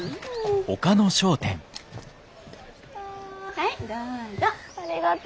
はいどうぞ。